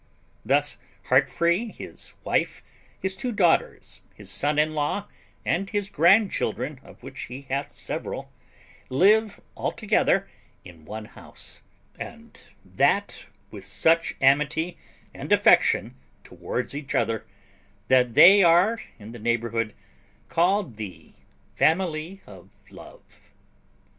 Thus Heartfree, his wife, his two daughters, his son in law, and his grandchildren, of which he hath several, live all together in one house; and that with such amity and affection towards each other, that they are in the neighbourhood called the family of love.